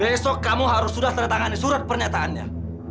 besok kamu harus sudah tertangani surat pernyataannya